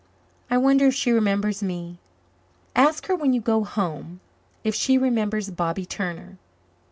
"I wonder if she remembers me. Ask her when you go home if she remembers Bobby Turner."